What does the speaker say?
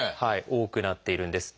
多くなっているんです。